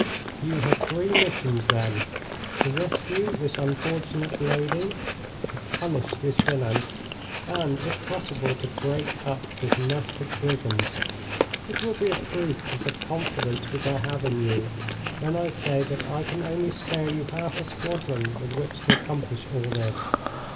'You have three missions, then: To rescue this unfortunate lady; to punish this villain; and, if possible, to break up this nest of brigands. It will be a proof of the confidence which I have in you when I say that I can only spare you half a squadron with which to accomplish all this.'